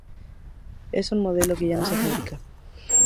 Es un modelo que ya no se fabrica.